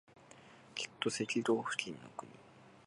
きっと赤道付近の国